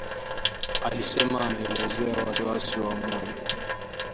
Alisema ameelezea wasiwasi wa umoja